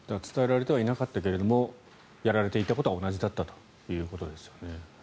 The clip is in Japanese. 伝えられてはいなかったけどやられていたことは同じだったということですよね。